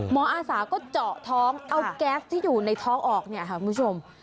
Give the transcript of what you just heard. อาสาก็เจาะท้องเอาแก๊สที่อยู่ในท้องออกเนี่ยค่ะคุณผู้ชม